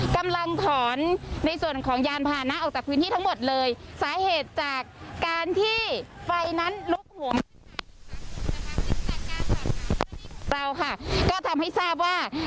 เชิญครับคุณวิววัลนะครับ